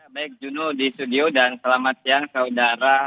baik juno di studio dan selamat siang saudara